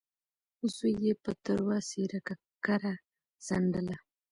زوی يې په تروه څېره ککره څنډله.